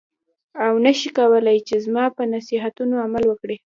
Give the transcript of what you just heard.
او نه شې کولای چې زما په نصیحتونو عمل وکړې.